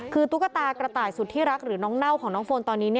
คือตุ๊กตากระต่ายสุดที่รักหรือน้องเน่าของน้องโฟนตอนนี้